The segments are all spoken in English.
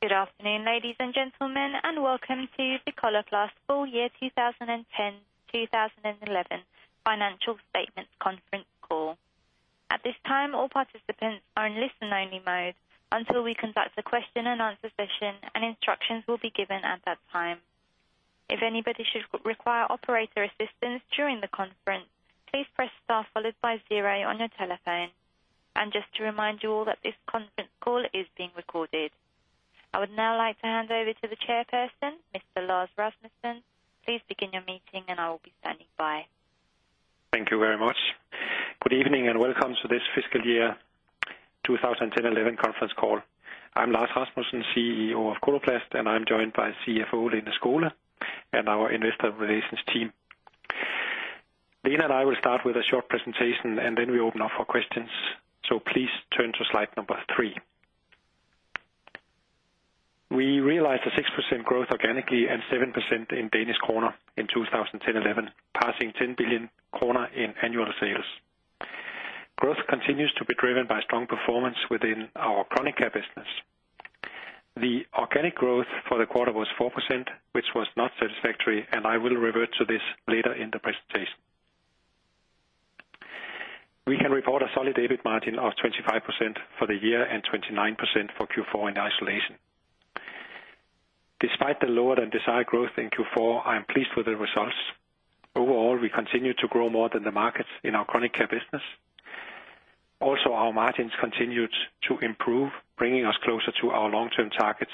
Good afternoon, ladies and gentlemen, and welcome to the Coloplast Full Year 2010/2011 Financial Statements Conference Call. At this time, all participants are in listen-only mode until we conduct a question and answer session, and instructions will be given at that time. If anybody should require operator assistance during the conference, please press star followed by zero on your telephone. Just to remind you all that this conference call is being recorded. I would now like to hand over to the Chairperson, Mr. Lars Rasmussen. Please begin your meeting and I will be standing by. Thank you very much. Good evening, welcome to this fiscal year 2010/2011 conference call. I'm Lars Rasmussen, CEO of Coloplast, and I'm joined by CFO, Lene Skole, and our investor relations team. Lene and I will start with a short presentation, then we open up for questions. Please turn to Slide 3. We realized a 6% growth organically and 7% in Danish krone in 2010-2011, passing 10 billion kroner in annual sales. Growth continues to be driven by strong performance within our chronic care business. The organic growth for the quarter was 4%, which was not satisfactory, and I will revert to this later in the presentation. We can report a solid EBIT margin of 25% for the year and 29% for Q4 in isolation. Despite the lower than desired growth in Q4, I am pleased with the results. Overall, we continue to grow more than the markets in our chronic care business. Our margins continued to improve, bringing us closer to our long-term targets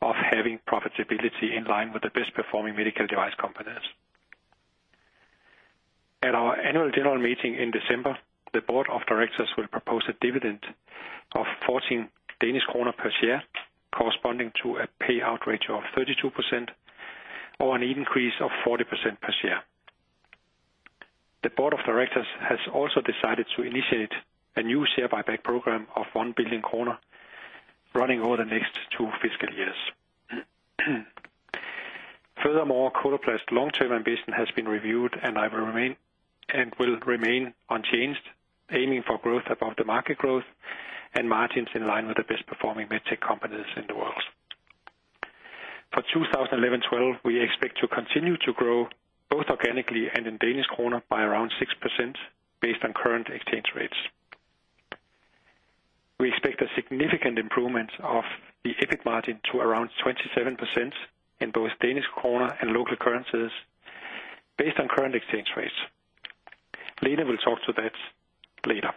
of having profitability in line with the best performing medical device companies. At our annual general meeting in December, the board of directors will propose a dividend of 14 Danish kroner per share, corresponding to a payout ratio of 32%, or an increase of 40% per share. The board of directors has also decided to initiate a new share buyback program of 1 billion kroner, running over the next two fiscal years. Furthermore, Coloplast's long-term ambition has been reviewed and I will remain unchanged, aiming for growth above the market growth and margins in line with the best performing medtech companies in the world. For 2011-2012, we expect to continue to grow both organically and in Danish krone, by around 6% based on current exchange rates. We expect a significant improvement of the EBIT margin to around 27% in both Danish krone and local currencies based on current exchange rates. Lene will talk to that later.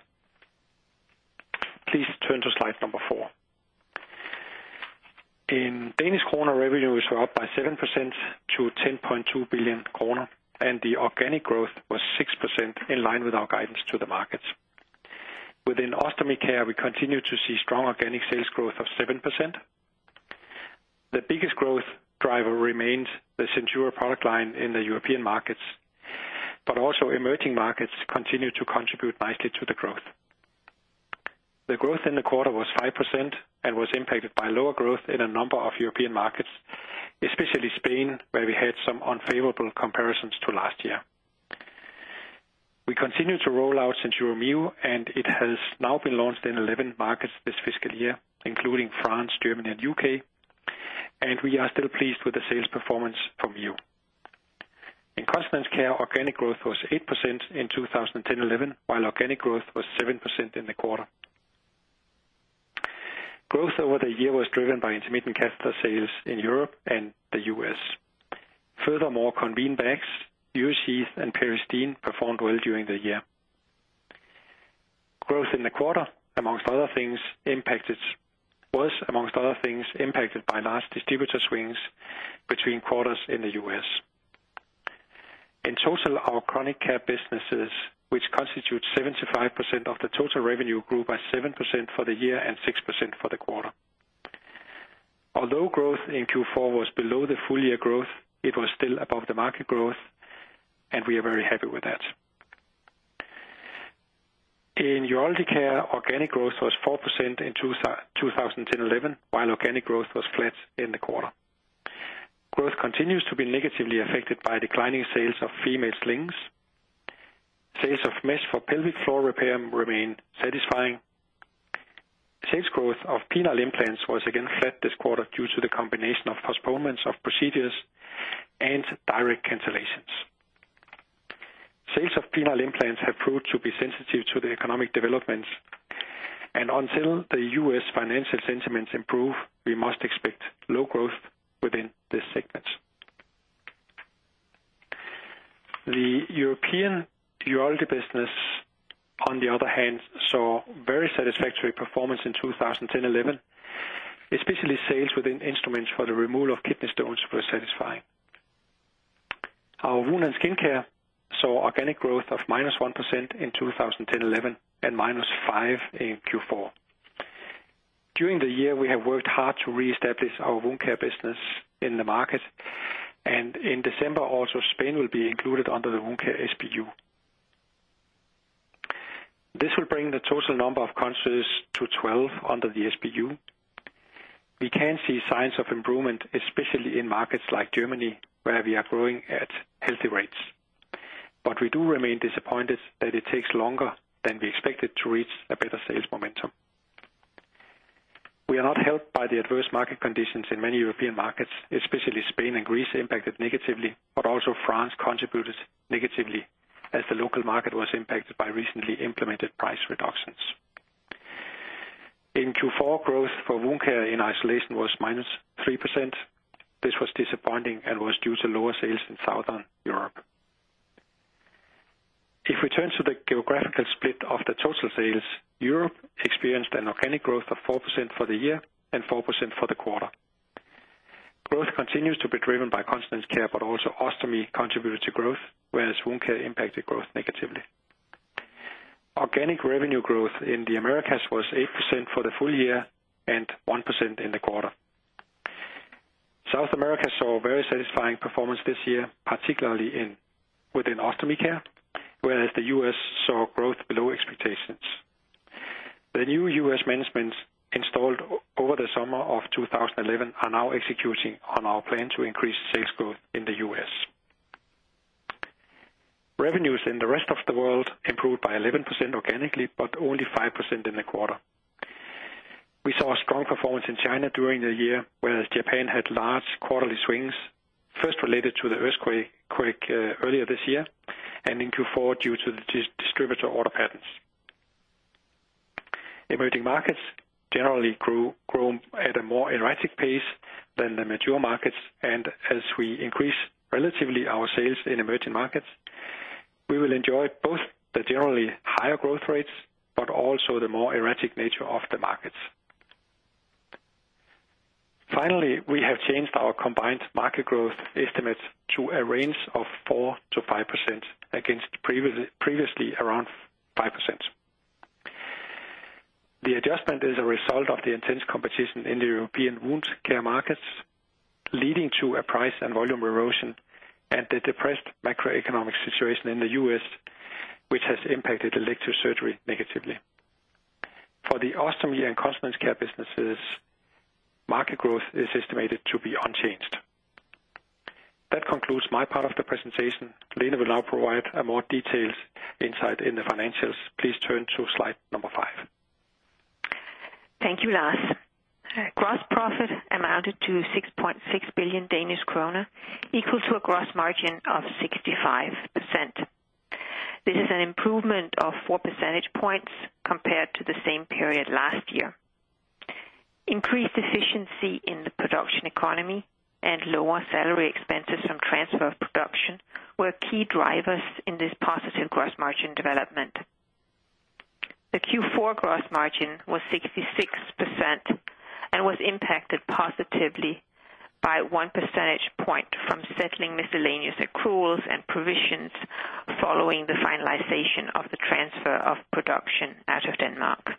Please turn to Slide 4. In Danish krone, revenues were up by 7% to 10.2 billion kroner, and the organic growth was 6% in line with our guidance to the markets. Within Ostomy Care, we continue to see strong organic sales growth of 7%. The biggest growth driver remains the SenSura product line in the European markets. Also emerging markets continue to contribute nicely to the growth. The growth in the quarter was 5% and was impacted by lower growth in a number of European markets, especially Spain, where we had some unfavorable comparisons to last year. We continue to roll out SenSura Mio. It has now been launched in 11 markets this fiscal year, including France, Germany, and U.K. We are still pleased with the sales performance from Mio. In Continence Care, organic growth was 8% in 2010-2011, while organic growth was 7% in the quarter. Growth over the year was driven by intermittent catheter sales in Europe and the U.S. Furthermore, Conveen bags, UriSheath and Peristeen performed well during the year. Growth in the quarter, amongst other things, was, amongst other things, impacted by large distributor swings between quarters in the U.S. In total, our chronic care businesses, which constitute 75% of the total revenue, grew by 7% for the year and 6% for the quarter. Although growth in Q4 was below the full year growth, it was still above the market growth, and we are very happy with that. In Urology Care, organic growth was 4% in 2010-2011, while organic growth was flat in the quarter. Growth continues to be negatively affected by declining sales of female slings. Sales of mesh for pelvic floor repair remain satisfying. Sales growth of penile implants was again flat this quarter due to the combination of postponements of procedures and direct cancellations. Sales of penile implants have proved to be sensitive to the economic developments. Until the U.S. financial sentiments improve, we must expect low growth within this segment. The European urology business, on the other hand, saw very satisfactory performance in 2010-2011, especially sales within instruments for the removal of kidney stones were satisfying. Our wound and skincare saw organic growth of -1% in 2010-2011, and -5% in Q4. During the year, we have worked hard to reestablish our wound care business in the market. In December also, Spain will be included under the Wound Care SBU. This will bring the total number of countries to 12 under the SBU. We can see signs of improvement, especially in markets like Germany, where we are growing at healthy rates. We do remain disappointed that it takes longer than we expected to reach a better sales momentum. We are not helped by the adverse market conditions in many European markets, especially Spain and Greece, impacted negatively. Also France contributed negatively as the local market was impacted by recently implemented price reductions. In Q4, growth for Wound Care in isolation was -3%. This was disappointing and was due to lower sales in Southern Europe. We turn to the geographical split of the total sales, Europe experienced an organic growth of 4% for the year and 4% for the quarter. Growth continues to be driven by Continence Care. Also Ostomy contributed to growth, whereas Wound Care impacted growth negatively. Organic revenue growth in the Americas was 8% for the full year and 1% in the quarter. South America saw a very satisfying performance this year, particularly within Ostomy Care, whereas the U.S. saw growth below expectations. The new U.S. management, installed over the summer of 2011, are now executing on our plan to increase sales growth in the U.S. Revenues in the rest of the world improved by 11% organically, only 5% in the quarter. We saw a strong performance in China during the year, whereas Japan had large quarterly swings, first related to the earthquake earlier this year, and in Q4, due to the distributor order patterns. Emerging markets generally grow at a more erratic pace than the mature markets. As we increase relatively our sales in emerging markets, we will enjoy both the generally higher growth rates but also the more erratic nature of the markets. Finally, we have changed our combined market growth estimate to a range of 4%-5% against previously, around 5%. The adjustment is a result of the intense competition in the European wound care markets, leading to a price and volume erosion and the depressed macroeconomic situation in the U.S., which has impacted elective surgery negatively. For the Ostomy Care and Continence Care businesses, market growth is estimated to be unchanged. That concludes my part of the presentation. Lene will now provide more details inside in the financials. Please turn to Slide 5. Thank you, Lars. Gross profit amounted to 6.6 billion Danish krone, equal to a gross margin of 65%. This is an improvement of 4 percentage points compared to the same period last year. Increased efficiency in the production economy and lower salary expenses from transfer of production, were key drivers in this positive gross margin development. Q4 gross margin was 66% and was impacted positively by 1 percentage point from settling miscellaneous accruals and provisions following the finalization of the transfer of production out of Denmark.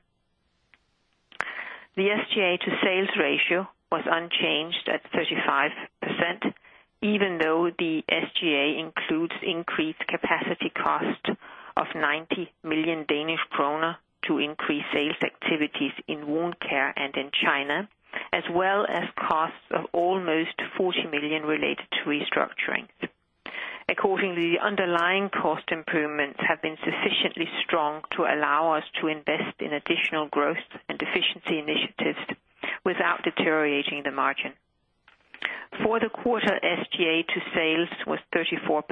The SGA to sales ratio was unchanged at 35%, even though the SGA includes increased capacity cost of 90 million Danish kroner to increase sales activities in wound care and in China, as well as costs of almost 40 million related to restructuring. Accordingly, the underlying cost improvements have been sufficiently strong to allow us to invest in additional growth and efficiency initiatives without deteriorating the margin. For the quarter, SGA to sales was 34%,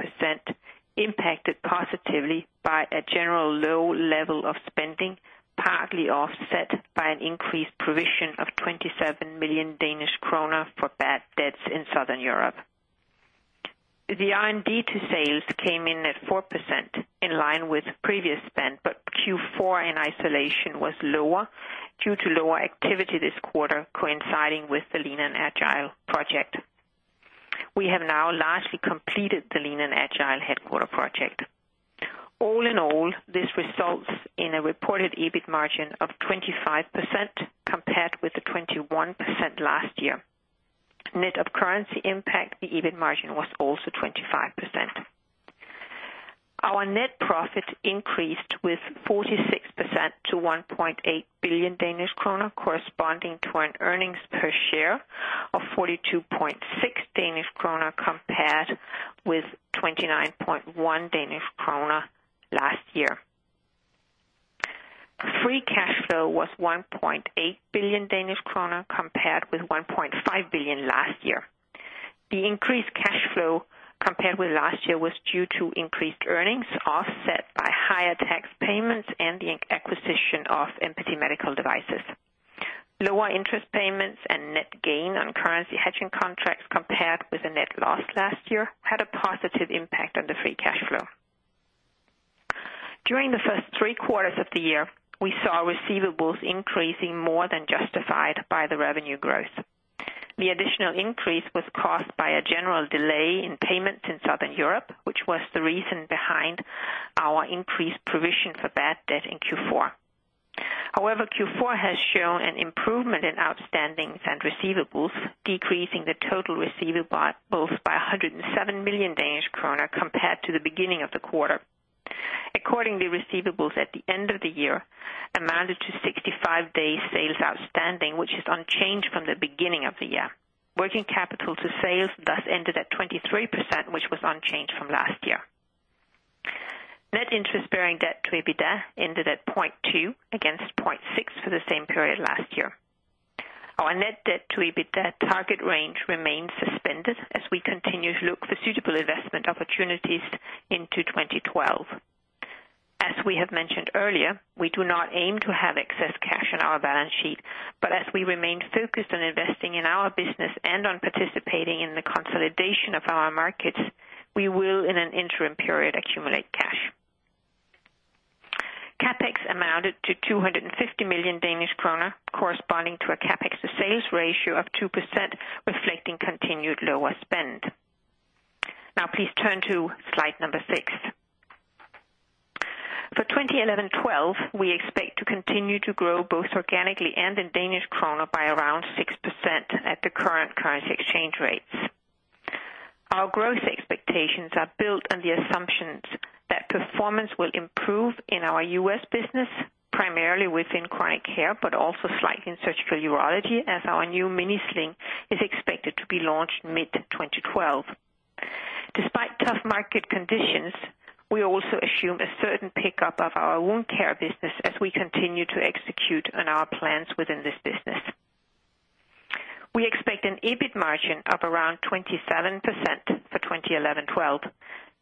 impacted positively by a general low level of spending, partly offset by an increased provision of 27 million Danish kroner for bad debts in Southern Europe. The R&D to sales came in at 4%, in line with previous spend, but Q4 in isolation was lower due to lower activity this quarter, coinciding with the Lean and Agile project. We have now largely completed the Lean and Agile headquarter project. All in all, this results in a reported EBIT margin of 25%, compared with the 21% last year. Net of currency impact, the EBIT margin was also 25%. Our net profit increased with 46% to 1.8 billion Danish kroner, corresponding to an earnings per share of 42.6 Danish kroner, compared with 29.1 Danish kroner last year. Free cash flow was 1.8 billion Danish kroner, compared with 1.5 billion last year. The increased cash flow compared with last year, was due to increased earnings, offset by higher tax payments and the acquisition of Mpathy Medical Devices. Lower interest payments and net gain on currency hedging contracts compared with the net loss last year, had a positive impact on the free cash flow. During the first three quarters of the year, we saw our receivables increasing more than justified by the revenue growth. The additional increase was caused by a general delay in payments in Southern Europe, which was the reason behind our increased provision for bad debt in Q4. Q4 has shown an improvement in outstandings and receivables, decreasing the total receivable by 107 million Danish kroner compared to the beginning of the quarter. Receivables at the end of the year amounted to 65 days sales outstanding, which is unchanged from the beginning of the year. Working capital to sales thus ended at 23%, which was unchanged from last year. Net interest-bearing debt to EBITDA ended at 0.2 against 0.6 for the same period last year. Our net debt to EBITDA target range remains suspended as we continue to look for suitable investment opportunities into 2012. As we have mentioned earlier, we do not aim to have excess cash on our balance sheet, but as we remain focused on investing in our business and on participating in the consolidation of our markets, we will, in an interim period, accumulate cash. CapEx amounted to 250 million Danish kroner, corresponding to a CapEx to sales ratio of 2%, reflecting continued lower spend. Now, please turn to Slide 6. For 2011-2012, we expect to continue to grow, both organically and in Danish krone, by around 6% at the current currency exchange rates. Our growth expectations are built on the assumptions that performance will improve in our U.S. business, primarily within chronic care, but also slightly in surgical urology, as our new mini sling is expected to be launched mid-2012. Despite tough market conditions, we also assume a certain pickup of our Wound Care business as we continue to execute on our plans within this business. We expect an EBIT margin of around 27% for 2011-2012.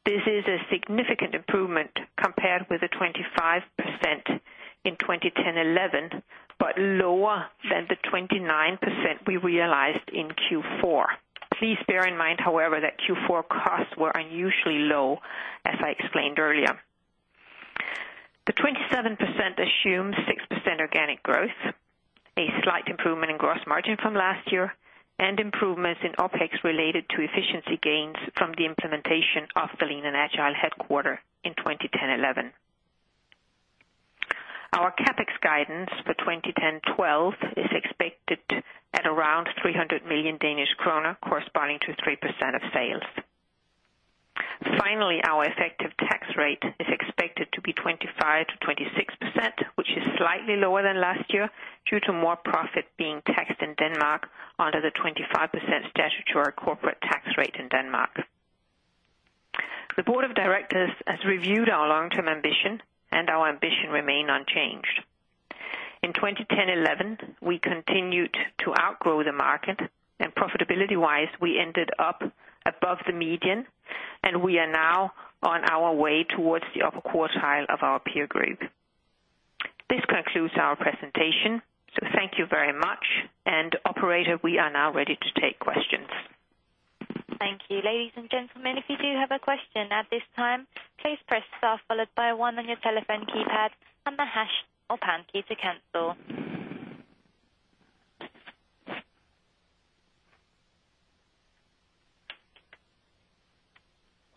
This is a significant improvement compared with the 25% in 2010-2011, but lower than the 29% we realized in Q4. Please bear in mind, however, that Q4 costs were unusually low, as I explained earlier. The 27% assumes 6% organic growth, a slight improvement in gross margin from last year, and improvements in OpEx related to efficiency gains from the implementation of the Lean and Agile headquarter in 2010-2011. Our CapEx guidance for 2010-2012 is expected at around 300 million Danish kroner, corresponding to 3% of sales. Our effective tax rate is expected to be 25%-26%, which is slightly lower than last year due to more profit being taxed in Denmark under the 25% statutory corporate tax rate in Denmark. The board of directors has reviewed our long-term ambition. Our ambition remain unchanged. In 2010-2011, we continued to outgrow the market. Profitability-wise, we ended up above the median. We are now on our way towards the upper quartile of our peer group. This concludes our presentation. Thank you very much. Operator, we are now ready to take questions. Thank you. Ladies and gentlemen, if you do have a question at this time, please press star followed by a one on your telephone keypad and the hash or pound key to cancel.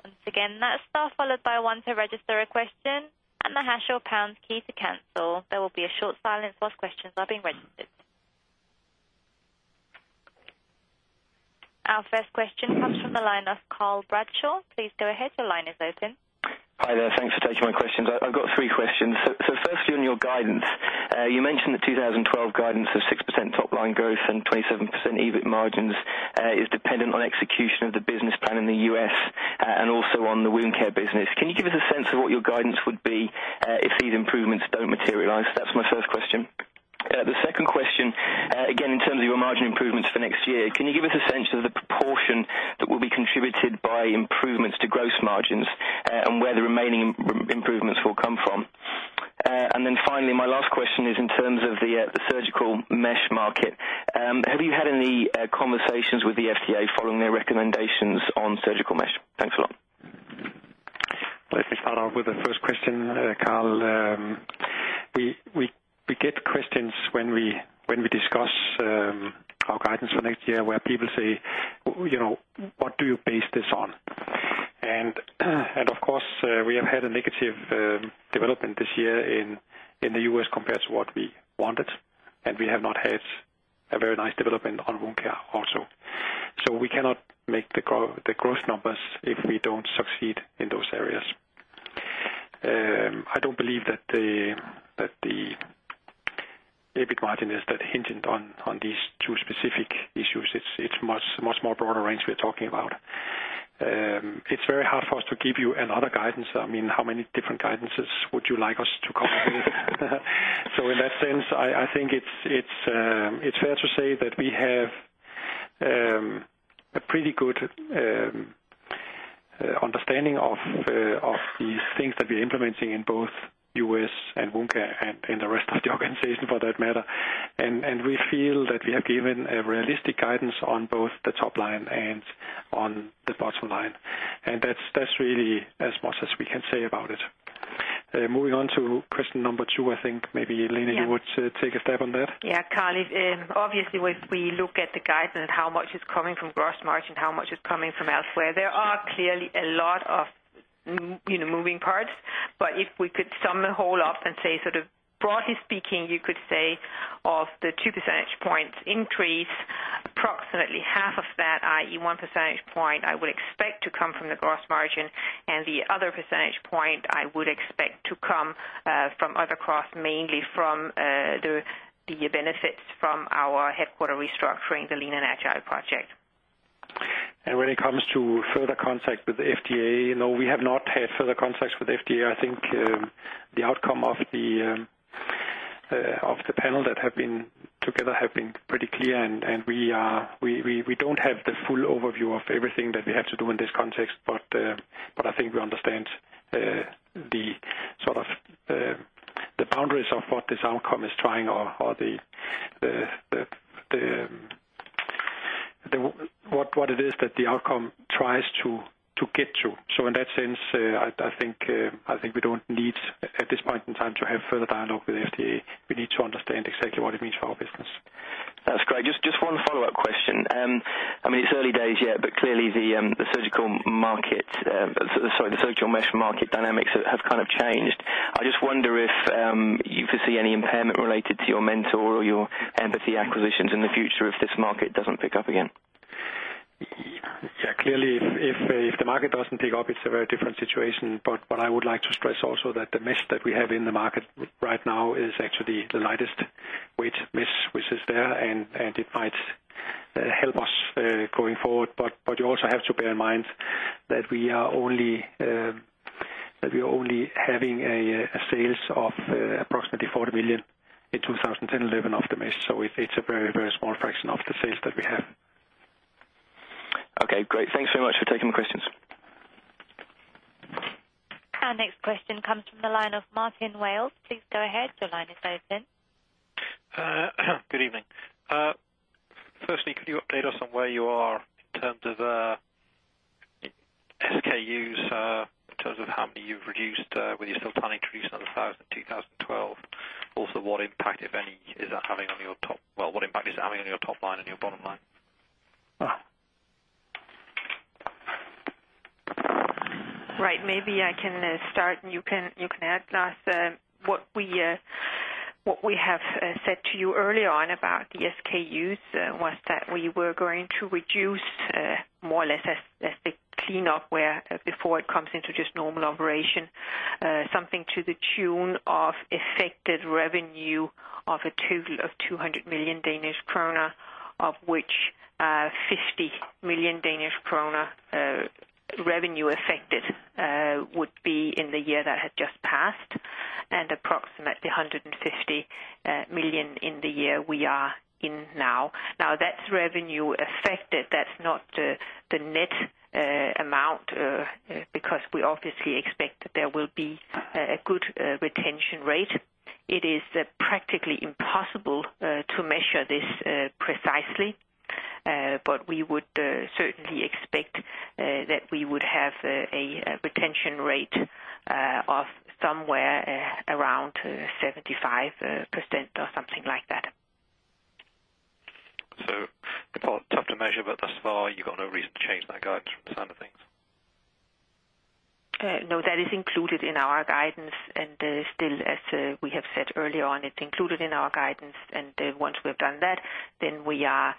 Once again, that's star followed by a one to register a question and the hash or pound key to cancel. There will be a short silence while questions are being registered. Our first question comes from the line of Carl Rachal. Please go ahead. Your line is open. Hi there. Thanks for taking my questions. I've got three questions. Firstly, on your guidance, you mentioned the 2012 guidance of 6% top line growth and 27% EBIT margins, is dependent on execution of the business plan in the U.S., and also on the Wound Care business. Can you give us a sense of what your guidance would be if these improvements don't materialize? That's my first question. The second question, again, in terms of your margin improvements for next year, can you give us a sense of the proportion that will be contributed by improvements to gross margins, and where the remaining improvements will come from? Finally, my last question is in terms of the surgical mesh market. Have you had any conversations with the FDA following their recommendations on surgical mesh? Thanks a lot. Let me start off with the first question, Carl. We get questions when we discuss our guidance for next year, where people say, "What do you base this on?" Of course, we have had a negative development this year in the US compared to what we wanted, and we have not had a very nice development on wound care also. We cannot make the growth numbers if we don't succeed in those areas. I don't believe that the EBIT margin is that hinted on these two specific issues. It's much, much more broader range we're talking about. I mean, it's very hard for us to give you another guidance. How many different guidances would you like us to come up with? In that sense, I think it's fair to say that we have a pretty good understanding of the things that we're implementing in both U.S. and wound care and the rest of the organization, for that matter. We feel that we have given a realistic guidance on both the top line and on the bottom line, and that's really as much as we can say about it. Moving on to question number two, I think maybe, Lene, you would take a stab on that? Yes, Carl, obviously, when we look at the guidance, how much is coming from gross margin, how much is coming from elsewhere, there are clearly a lot of moving parts. If we could sum it all up and say, sort of, broadly speaking, you could say of the 2 percentage points increase, approximately half of that, i.e, 1 percentage point, I would expect to come from the gross margin, and the other percentage point I would expect to come from other costs, mainly from the benefits from our headquarter restructuring, the Lean and Agile project. When it comes to further contact with the FDA, no, we have not had further contacts with the FDA. I think the outcome of the panel that have been together have been pretty clear, and we don't have the full overview of everything that we have to do in this context, but I think we understand the sort of the boundaries of what this outcome is trying or what it is that the outcome tries to get to. In that sense, I think we don't need, at this point in time, to have further dialogue with the FDA. We need to understand exactly what it means for our business. That's great. Just one follow-up question. I mean, it's early days yet, but clearly the surgical market, sorry, the surgical mesh market dynamics have kind of changed. I just wonder if you foresee any impairment related to your Mentor or your Mpathy Medical acquisitions in the future if this market doesn't pick up again? Yes, clearly, if the market doesn't pick up, it's a very different situation. I would like to stress also that the mesh that we have in the market right now is actually the lightest weight mesh which is there, and it might help us going forward. You also have to bear in mind that we are only having a sales of approximately 40 million in 2011 of the mesh. It's a very small fraction of the sales that we have. Okay, great. Thanks very much for taking the questions. Our next question comes from the line of Martin Wales. Please go ahead. Your line is open. Good evening. Firstly, could you update us on where you are in terms of SKUs, in terms of how many you've reduced, with your planned increase in 2012? Also, well, what impact is it having on your top line and your bottom line? Right. Maybe I can start, and you can add, Lars. What we have said to you earlier on about the SKUs was that we were going to reduce more or less as the cleanup, where before it comes into just normal operation, something to the tune of affected revenue of a total of 200 million Danish krone, of which 50 million Danish krone revenue affected would be in the year that had just passed, and approximately 150 million in the year we are in now. That's revenue affected. That's not the net amount, because we obviously expect that there will be a good retention rate. It is practically impossible to measure this precisely, but we would certainly expect that we would have a retention rate of somewhere around 75% or something like that. It's tough to measure, but thus far, you've got no reason to change that guidance from the sound of things. No, that is included in our guidance, and still, as we have said earlier on, it's included in our guidance, and once we've done that, then we are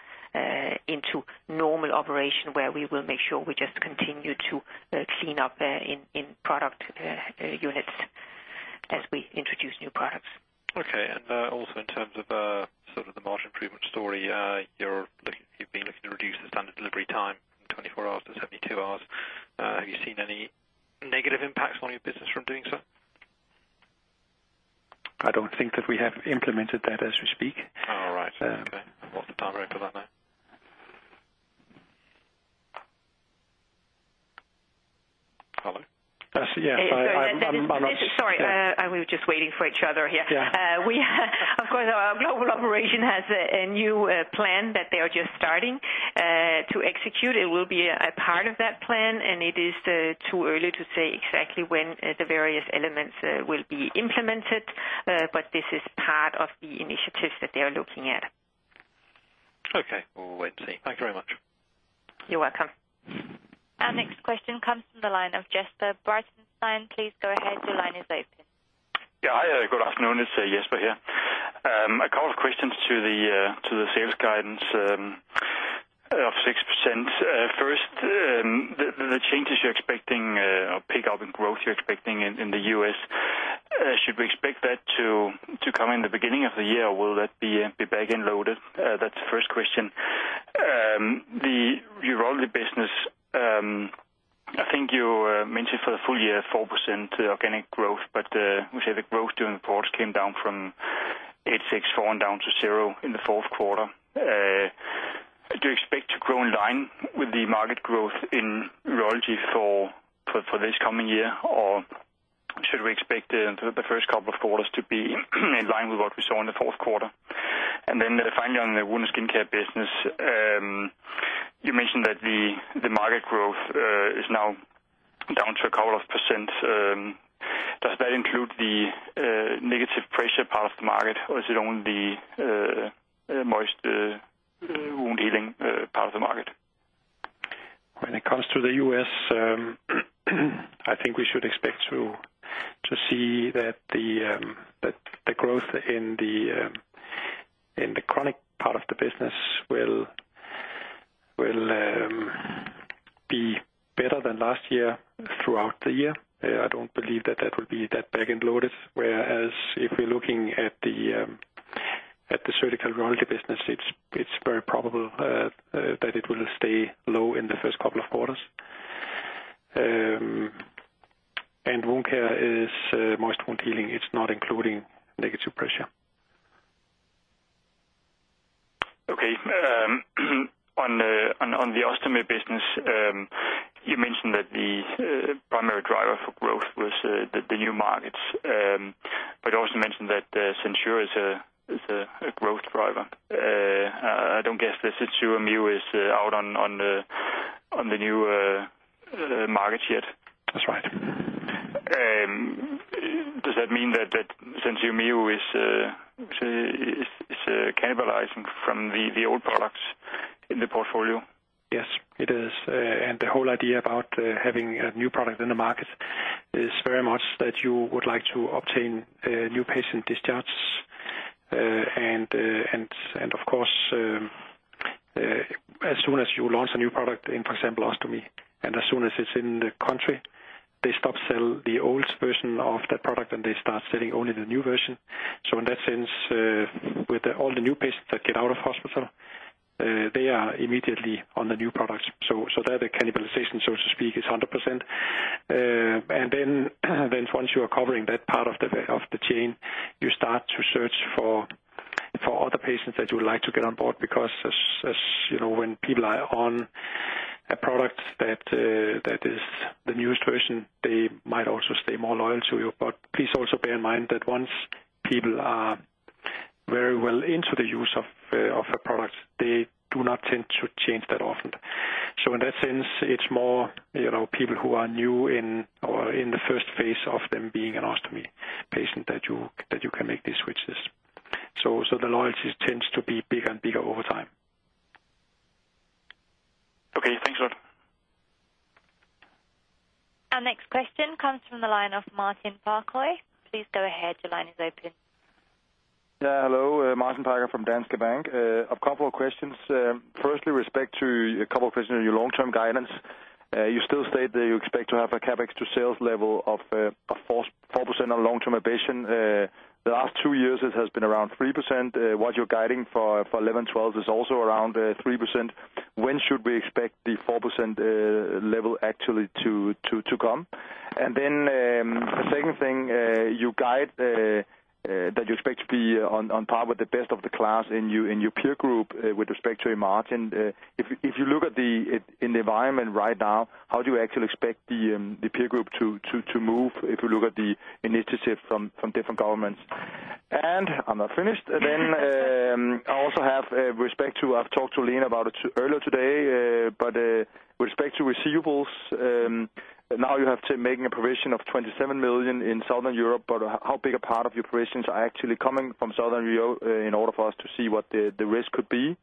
into normal operation, where we will make sure we just continue to clean up in product units as we introduce new products. Okay. also in terms of the margin improvement story, you've been looking to reduce the standard delivery time from 24 hours to 72 hours. Have you seen any negative impacts on your business from doing so? I don't think that we have implemented that as we speak. All right. Okay. I lost the power on that one. Hello? Yes. Sorry, we were just waiting for each other here. Yes. Of course, our global operation has a new plan that they are just starting to execute. It will be a part of that plan, and it is too early to say exactly when the various elements will be implemented, but this is part of the initiatives that they are looking at. Okay. We'll wait and see. Thank you very much. You're welcome. Our next question comes from the line of Jesper Knudsen. Please go ahead. Your line is open. Yes, hi. Good afternoon. It's Jesper here. A couple of questions to the sales guidance of 6%. First, the changes you're expecting or pick up in growth you're expecting in the U.S., should we expect that to come in the beginning of the year, or will that be back-end loaded? That's the first question. The urology business, I think you mentioned for the full year, 4% organic growth, but we say the growth during the quarter came down from 8%, 6%, 4%, and down to 0% in the Q4. Do you expect to grow in line with the market growth in urology for this coming year, or should we expect the first couple of quarters to be in line with what we saw in Q4? Finally, on the wound skincare business, you mentioned that the market growth is now down to a couple of percent. Does that include the negative pressure part of the market, or is it only the moist wound healing part of the market? When it comes to the U.S. I think we should expect to see that the growth in the chronic part of the business will be better than last year throughout the year. I don't believe that that will be that back-end loaded, whereas if we're looking at the surgical urology business, it's very probable that it will stay low in the first couple of quarters. Wound care is moist wound healing. It's not including negative pressure. Okay. On the ostomy business, you mentioned that the primary driver for growth was the new markets, also mentioned that SenSura is a growth driver. I don't guess the SenSura Mio is out on the new markets yet. That's right. Does that mean that SenSura Mio is cannibalizing from the old products in the portfolio? Yes, it is. The whole idea about having a new product in the market is very much that you would like to obtain new patient discharges. Of course, as soon as you launch a new product in, for example, ostomy, and as soon as it's in the country, they stop sell the old version of that product, and they start selling only the new version. In that sense, with the all the new patients that get out of hospital, they are immediately on the new products, so there the cannibalization, so to speak, is 100%. Then once you are covering that part of the chain, you start to search for other patients that you would like to get on board, because as you know, when people are on a product that is the newest version, they might also stay more loyal to you. Please also bear in mind that once people are very well into the use of a product, they do not tend to change that often. In that sense, it's more people who are new in or in the first phase of them being an ostomy patient, that you can make these switches. The loyalties tends to be bigger and bigger over time. Okay. Thanks a lot. Our next question comes from the line of Martin Parkhøi. Please go ahead. Your line is open. Yes, hello, Martin Parkhøi from Danske Bank. A couple of questions. Firstly, respect to a couple of questions on your long-term guidance. You still state that you expect to have a CapEx to sales level of 4% on long-term ambition. The last two years, it has been around 3%. What you're guiding for 2011-2012 is also around 3%. When should we expect the 4% level actually to come? The second thing, you guide that you expect to be on par with the best of the class in your peer group with respect to your margin. If you look at the environment right now, how do you actually expect the peer group to move if you look at the initiative from different governments? I'm not finished. I also have respect to... I've talked to Lene Skole about it earlier today, but respect to receivables, now you have to making a provision of 27 million in Southern Europe, but how big a part of your provisions are actually coming from Southern Europe, in order for us to see what the risk could be?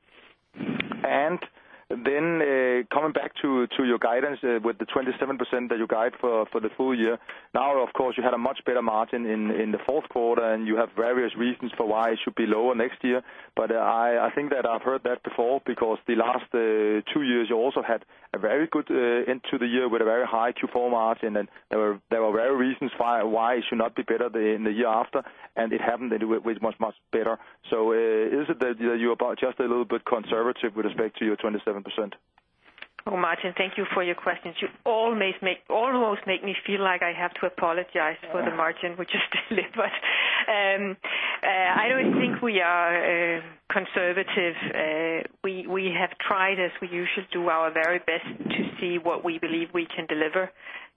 Coming back to your guidance, with the 27% that you guide for the full year. Of course, you had a much better margin in Q4, and you have various reasons for why it should be lower next year. I think that I've heard that before, because the last two years, you also had a very good end to the year with a very high Q4 margin, and there were rare reasons for why it should not be better than the year after, and it happened, and it was much, much better. Is it that you're about just a little bit conservative with respect to your 27%? Martin, thank you for your questions. You almost make me feel like I have to apologize for the margin which is delivered. I don't think we are conservative. We have tried, as we usually do, our very best to see what we believe we can deliver,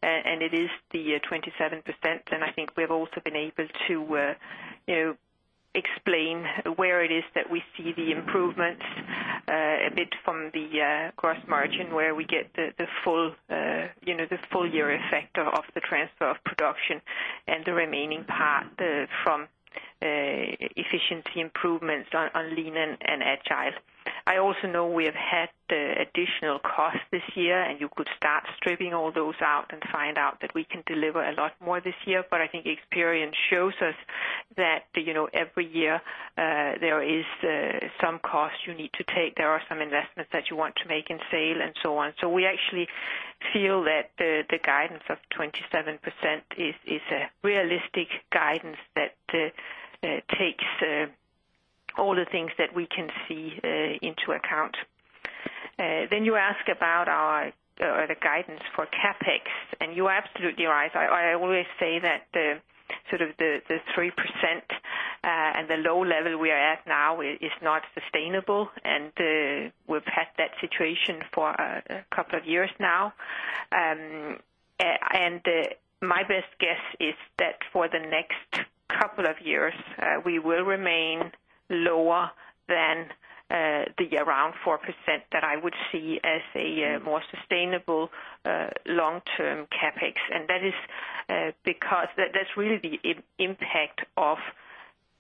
and it is the 27%, and I think we've also been able to explain where it is that we see the improvements, a bit from the gross margin, where we get the full year effect of the transfer of production and the remaining part from efficiency improvements on Lean and Agile. I also know we have had additional costs this year, and you could start stripping all those out and find out that we can deliver a lot more this year. I think experience shows us that every year, there is some costs you need to take. There are some investments that you want to make in sale and so on. We actually feel that the guidance of 27% is a realistic guidance that, takes, all the things that we can see into account. You ask about the guidance for CapEx, and you are absolutely right. I always say that the 3%, and the low level we are at now is not sustainable. We've had that situation for a couple of years now. My best guess is that for the next couple of years, we will remain lower than the around 4% that I would see as a more sustainable, long-term CapEx. That is because that's really the impact of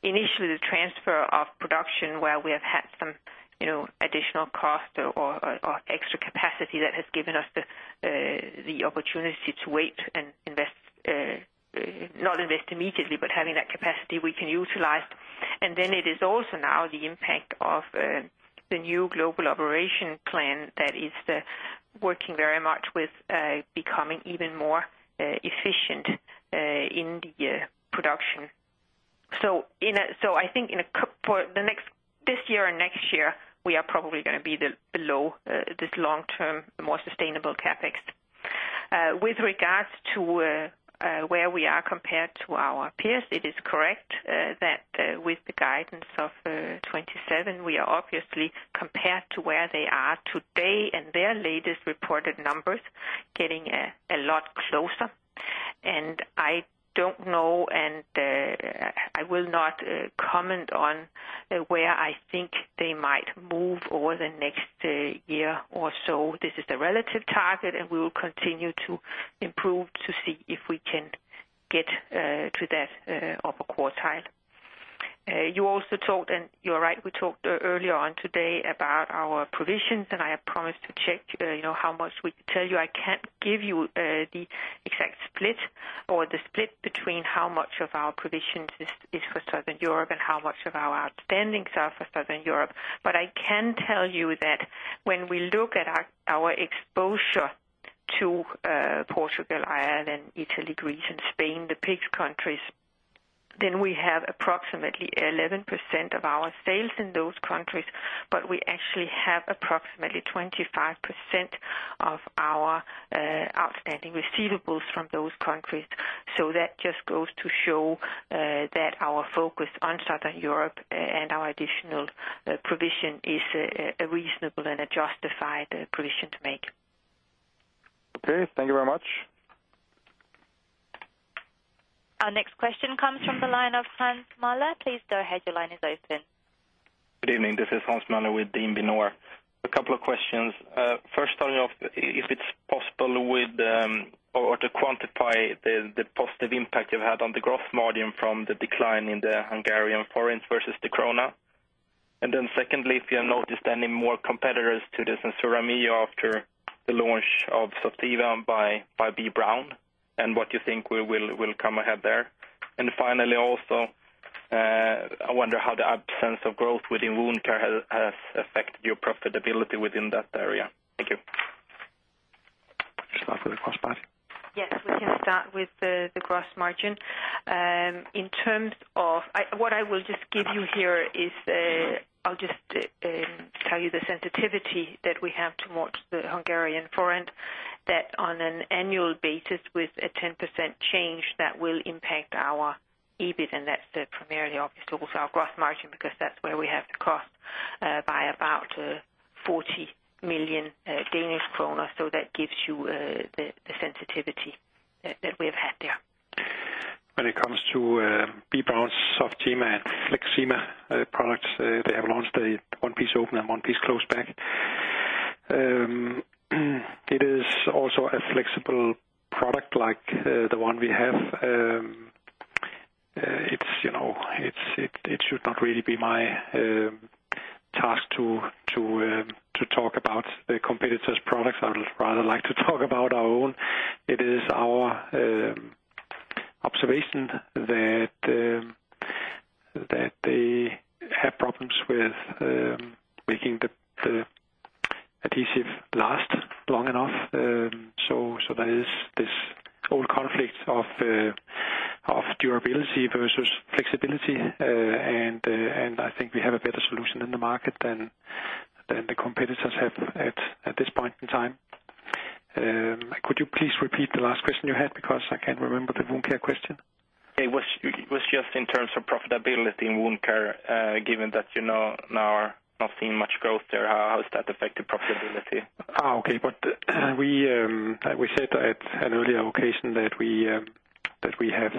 initially the transfer of production, where we have had some additional cost or extra capacity that has given us the opportunity to wait and not invest immediately, but having that capacity we can utilize. It is also now the impact of the new Global Operation plan that is working very much with becoming even more efficient in the production. I think for this year or next year, we are probably going to be below this long-term, more sustainable CapEx. With regards to where we are compared to our peers, it is correct that with the guidance of 27%, we are obviously compared to where they are today and their latest reported numbers, getting a lot closer. I don't know, I will not comment on where I think they might move over the next year or so. This is the relative target, and we will continue to improve to see if we can get to that upper quartile. You're right, we talked earlier on today about our provisions, I have promised to check how much we can tell you. I can't give you the exact split or the split between how much of our provisions is for Southern Europe and how much of our outstandings are for Southern Europe. I can tell you that when we look at our exposure to Portugal, Ireland, Italy, Greece and Spain, the PIIGS countries, we have approximately 11% of our sales in those countries, we actually have approximately 25% of our outstanding receivables from those countries. That just goes to show that our focus on Southern Europe and our additional provision is a reasonable and a justified provision to make. Okay, thank you very much. Our next question comes from the line of Hans Møller. Please go ahead, your line is open. Good evening, this is Hans Møller with DNB NOR. A couple of questions. First starting off, if it's possible with, or to quantify the positive impact you've had on the gross margin from the decline in the Hungarian forint versus the krone? Secondly, if you have noticed any more competitors to the SenSura Mio after the launch of Softima by B. Braun, and what you think will come ahead there? Finally, also, I wonder how the absence of growth within Wound Care has affected your profitability within that area. Thank you. Start with the gross margin. Yes, we can start with the gross margin. In terms of what I will just give you here is, I'll just tell you the sensitivity that we have towards the Hungarian forint, that on an annual basis, with a 10% change, that will impact our EBIT. That's the primarily, obviously, our gross margin, because that's where we have the cost by about 40 million Danish kroner. That gives you the sensitivity that we have had there. When it comes to B. Braun's Softima and Flexima products, they have launched a one-piece open and one-piece closed bag. It is also a flexible product like the one we have. It should not really be my task to talk about the competitor's products. I would rather like to talk about our own. It is our observation that they have problems with making the adhesive last long enough. There is this old conflict of durability versus flexibility, and I think we have a better solution in the market than the competitors have at this point in time. Could you please repeat the last question you had? Because I can't remember the Wound Care question. It was just in terms of profitability in Wound Care, given that now are not seeing much growth there, how has that affected profitability? Okay. Like we said at an earlier occasion, that we have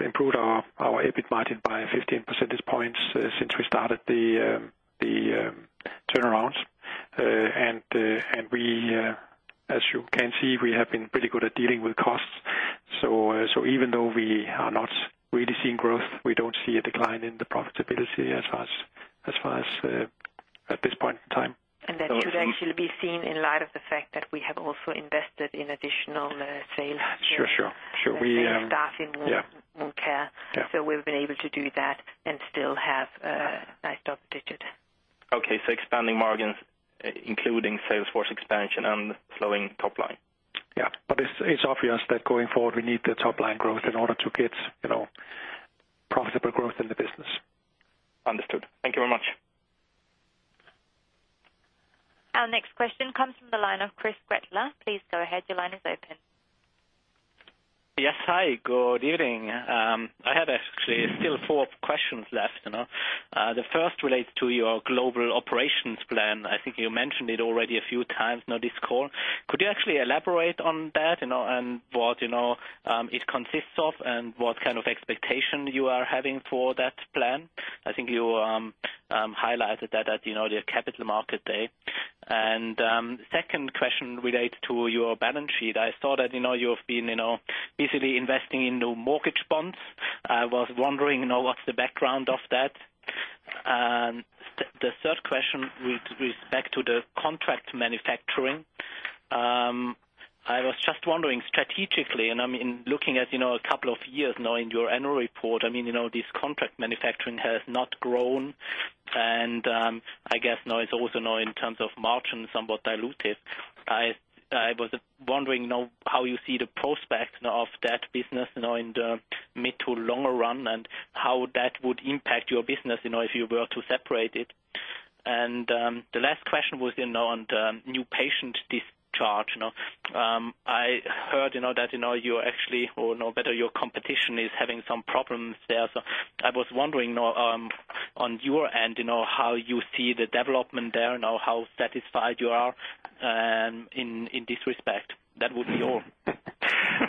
improved our EBIT margin by 15 percentage points since we started the turnaround. As you can see, we have been pretty good at dealing with costs. Even though we are not really seeing growth, we don't see a decline in the profitability as far as at this point in time. That should actually be seen in light of the fact that we have also invested in additional sales. Sure. We have staff in Wound Care. We've been able to do that and still have a nice double digit. Okay, expanding margins, including sales force expansion and slowing top line? Yes, it's obvious that going forward, we need the top line growth in order to get profitable growth in the business. Understood. Thank you very much. Our next question comes from the line of Christoph Gretler. Please go ahead, your line is open. Yes. Hi, good evening. I have actually still four questions left. The first relates to your global operations plan. I think you mentioned it already a few times on this call. Could you actually elaborate on that and what it consists of and what kind of expectation you are having for that plan? I think you highlighted that at the capital market day. Second question relates to your balance sheet. I saw that you've been basically investing in new mortgage bonds. I was wondering what's the background of that? The third question with respect to the contract manufacturing, I was just wondering strategically, and looking at a couple of years now in your annual report, this contract manufacturing has not grown, and I guess now it's also now in terms of margin, somewhat dilutive. I was wondering how you see the prospect now of that business in the mid to longer run, and how that would impact your business if you were to separate it? The last question was on the new patient discharge. I heard that you actually or know better, your competition is having some problems there. I was wondering, on your end, how you see the development there, and how satisfied you are in this respect. That would be all.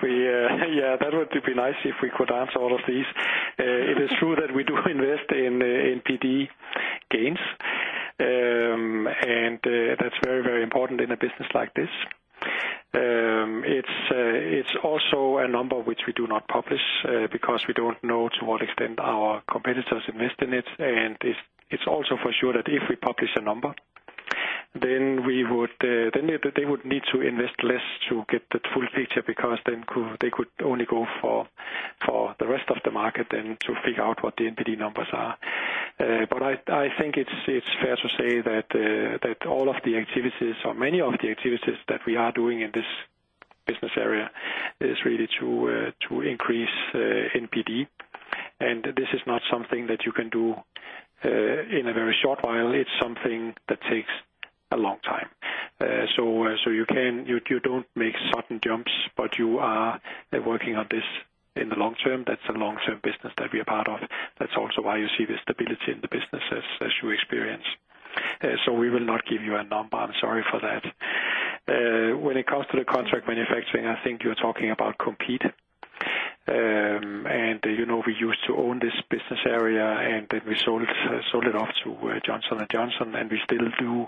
Yes, that would be nice if we could answer all of these. It is true that we do invest in NPD gains. That's very important in a business like this. It's also a number which we do not publish because we don't know to what extent our competitors invest in it. It's also for sure that if we publish a number, then we would then they would need to invest less to get the full picture, because then they could only go for the rest of the market than to figure out what the NPD numbers are. I think it's fair to say that all of the activities or many of the activities that we are doing in this business area is really to increase NPD. This is not something that you can do in a very short while. It's something that takes a long time. You don't make sudden jumps, but you are working on this in the long-term. That's a long-term business that we are part of. That's also why you see the stability in the business as you experience. We will not give you a number. I'm sorry for that. When it comes to the contract manufacturing, I think you're talking about Compeed. We used to own this business area, and then we sold it off to Johnson & Johnson, and we still do the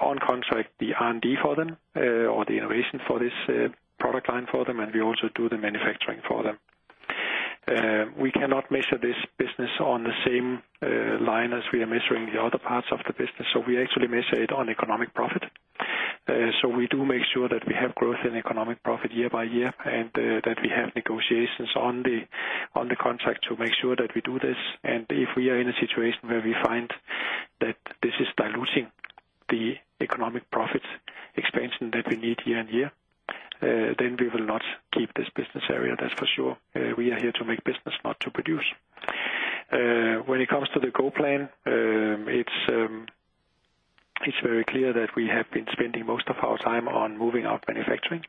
on contract, the R&D for them, or the innovation for this product line for them, and we also do the manufacturing for them. We cannot measure this business on the same line as we are measuring the other parts of the business. We actually measure it on economic profit. We do make sure that we have growth in economic profit year-by-year, and that we have negotiations on the contract to make sure that we do this. If we are in a situation where we find that this is diluting the economic profit expansion that we need year-on-year, then we will not keep this business area, that's for sure. We are here to make business, not to produce. When it comes to the GO Plan, it's very clear that we have been spending most of our time on moving out manufacturing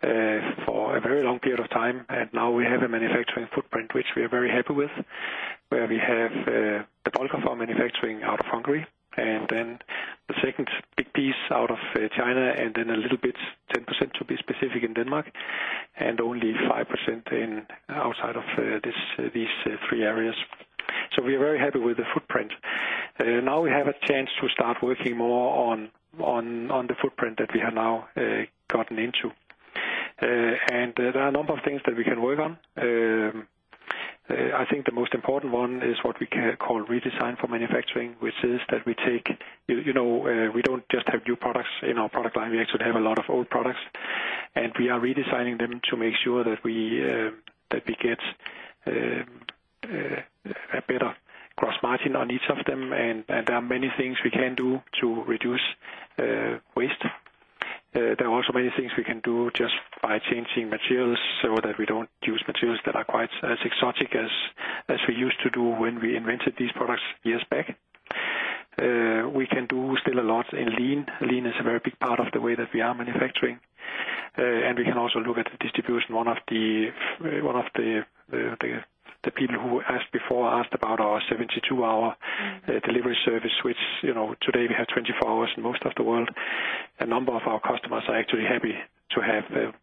for a very long period of time, and now we have a manufacturing footprint, which we are very happy with. Where we have the bulk of our manufacturing out of Hungary, and then the second big piece out of China, and then a little bit, 10% to be specific, in Denmark, and only 5% in outside of these three areas. We are very happy with the footprint. Now we have a chance to start working more on the footprint that we have now gotten into. There are a number of things that we can work on. I think the most important one is what we call redesign for manufacturing, which is that we don't just have new products in our product line. We actually have a lot of old products, and we are redesigning them to make sure that we get a better gross margin on each of them. There are many things we can do to reduce waste. There are also many things we can do just by changing materials, so that we don't use materials that are quite as exotic as we used to do when we invented these products years back. We can do still a lot in Lean. Lean is a very big part of the way that we are manufacturing. We can also look at the distribution. One of the people who asked before, asked about our 72-hour delivery service, which, today we have 24 hours in most of the world. A number of our customers are actually happy to have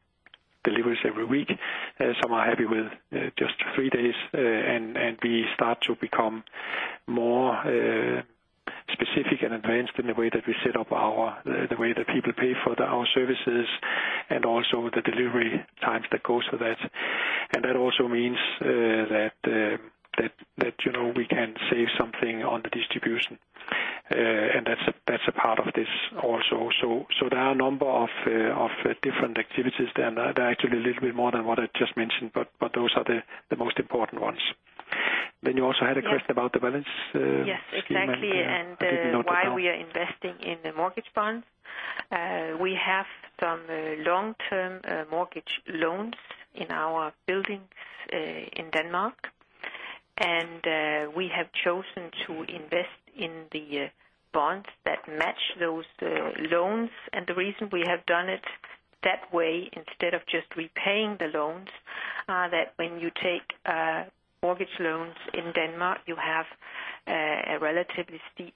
deliveries every week. Some are happy with just three days, and we start to become more specific and advanced in the way that we set up our the way that people pay for our services and also the delivery times that goes with that. That also means that we can save something on the distribution. That's a part of this also. There are a number of different activities there. There are actually a little bit more than what I just mentioned, but those are the most important ones. You also had a question about the balance. Yes, exactly. I didn't note it down. Why we are investing in the mortgage bonds. We have some long-term mortgage loans in our buildings in Denmark. We have chosen to invest in the bonds that match those loans. The reason we have done it that way, instead of just repaying the loans, that when you take mortgage loans in Denmark, you have a relatively steep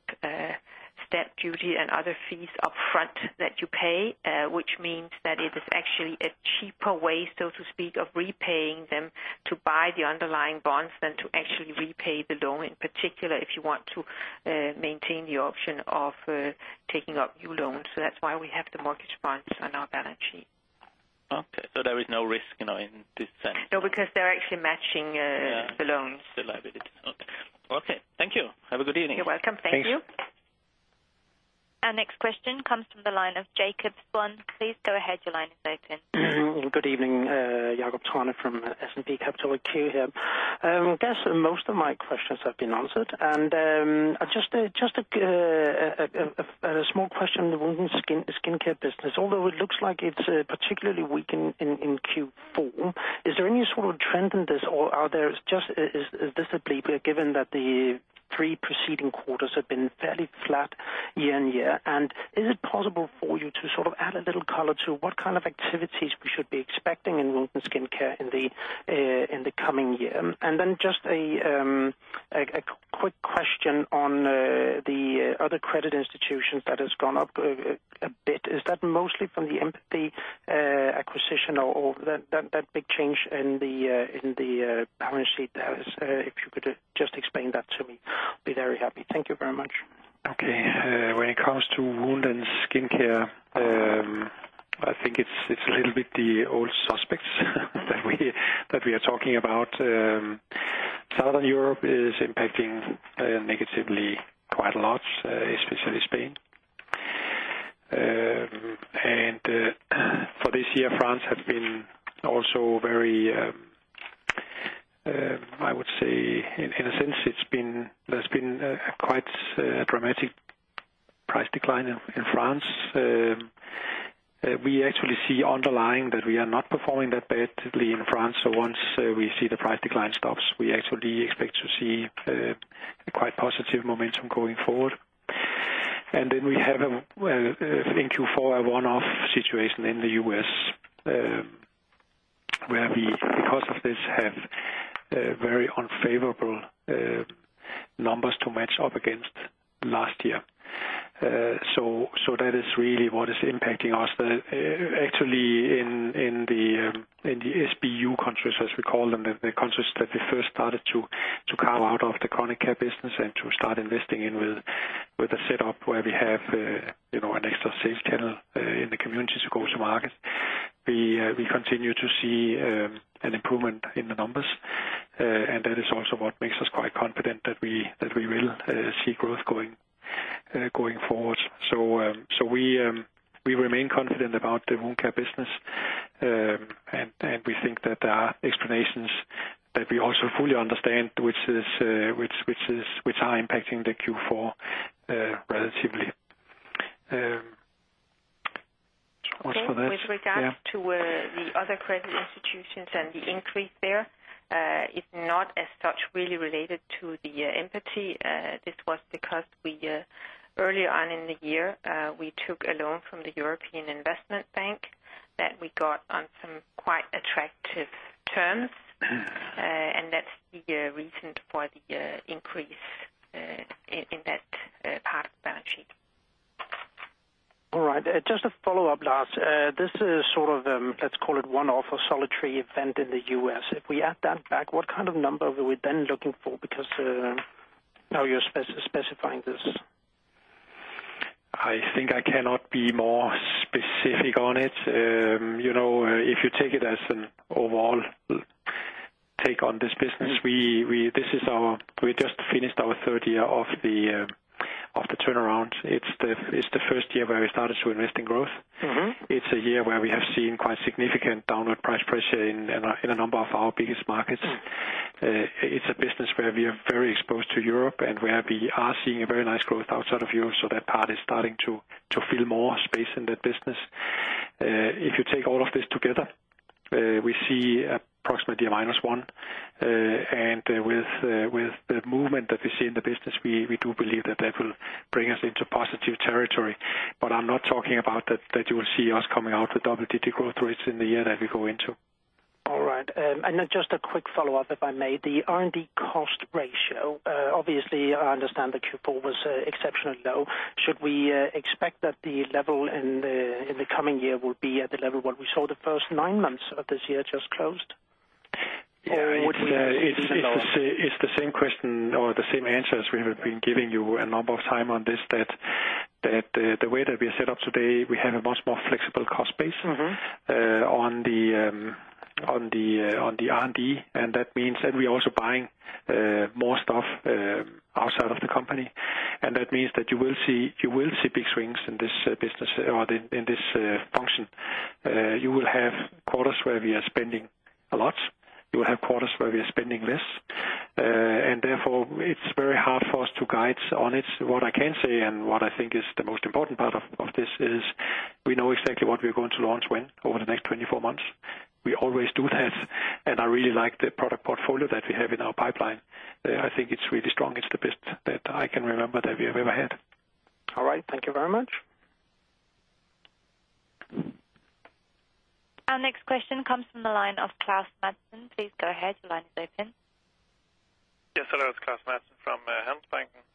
stamp duty and other fees upfront that you pay, which means that it is actually a cheaper way, so to speak, of repaying them to buy the underlying bonds than to actually repay the loan, in particular, if you want to maintain the option of taking up new loans. That's why we have the mortgage bonds on our balance sheet. Okay, there is no risk in this sense? No, because they're actually matching the loans. The liability. Okay. Thank you. Have a good evening. You're welcome. Thank you. Thanks. Our next question comes from the line of Jacob Hung. Please go ahead. Your line is open. Good evening, Jacob Hung from S&P Capital IQ, here. I guess most of my questions have been answered. Just a small question on the wound and skincare business. Although it looks like it's particularly weak in Q4, is there any trend in this, or is this a blip, given that the three preceding quarters have been fairly flat year-on-year? Is it possible for you to add a little color to what kind of activities we should be expecting in wound and skincare in the coming year? Just a quick question on the other credit institutions that has gone up a bit. Is that mostly from the Mpathy Medical acquisition or that big change in the balance sheet there? If you could just explain that to me, I'd be very happy. Thank you very much. Okay. When it comes to Wound Care and skincare, I think it's a little bit the old suspects that we are talking about. Southern Europe is impacting negatively quite a lot, especially Spain. For this year, France have been also very, I would say in a sense, there's been a quite dramatic price decline in France. We actually see underlying that we are not performing that badly in France. Once we see the price decline stops, we actually expect to see a quite positive momentum going forward. We have in Q4, a one-off situation in the U.S., where we, because of this, have very unfavorable numbers to match up against last year. That is really what is impacting us. Actually, in the SBU countries, as we call them, the countries that we first started to carve out of the chronic care business and to start investing in with a setup where we have an extra sales channel, in the community to go to market. We continue to see an improvement in the numbers, that is also what makes us quite confident that we will see growth going forward. We remain confident about the wound care business. We think that there are explanations that we also fully understand, which are impacting Q4, relatively. With regards to the other credit institutions and the increase there, is not as such really related to the Mpathy. This was because we early on in the year, we took a loan from the European Investment Bank that we got on some quite attractive terms. That's the reason for the increase in that part of the balance sheet. All right. Just a follow-up, Lars. This is, let's call it one-off, a solitary event in the U.S. If we add that back, what number are we then looking for? Now you're specifying this. I think I cannot be more specific on it. If you take it as an overall take on this business, we just finished our third year of the turnaround. It's the first year where we started to invest in growth. It's a year where we have seen quite significant downward price pressure in a number of our biggest markets. It's a business where we are very exposed to Europe and where we are seeing a very nice growth outside of Europe, that part is starting to fill more space in that business. If you take all of this together, we see approximately a -1%. With the movement that we see in the business, we do believe that that will bring us into positive territory. I'm not talking about that you will see us coming out with double-digit growth rates in the year that we go into. All right. Just a quick follow-up, if I may. The R&D cost ratio, obviously, I understand that Q4 was exceptionally low. Should we expect that the level in the coming year will be at the level what we saw the first nine months of this year just closed? Yes. It's the same question or the same answer as we have been giving you a number of time on this. The way that we are set up today, we have a much more flexible cost base on the R&D. That means that we are also buying more stuff outside of the company. That means that you will see big swings in this business or in this function. You will have quarters where we are spending a lot, you will have quarters where we are spending less. Therefore, it's very hard for us to guide on it. What I can say, what I think is the most important part of this is we know exactly what we're going to launch when, over the next 24 months. We always do that. I really like the product portfolio that we have in our pipeline. I think it's really strong. It's the best that I can remember that we have ever had. All right. Thank you very much. Our next question comes from the line of Carsten Lønborg Madsen. Please go ahead, your line is open. Hello, it's Klaus Madsen from Handelsbanken.